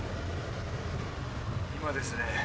今ですね